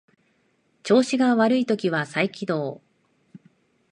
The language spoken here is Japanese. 調子が悪い時は再起動